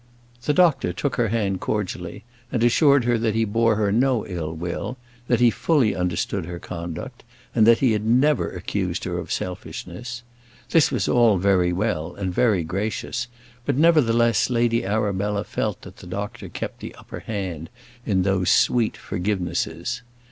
The doctor took her hand cordially, and assured her that he bore her no ill will; that he fully understood her conduct and that he had never accused her of selfishness. This was all very well and very gracious; but, nevertheless, Lady Arabella felt that the doctor kept the upper hand in those sweet forgivenesses.